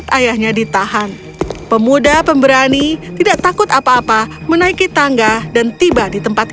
ayahnya ditahan pemuda pemberani tidak takut apa apa menaiki tangga dan tiba di tempat